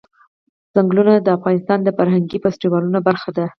چنګلونه د افغانستان د فرهنګي فستیوالونو برخه ده.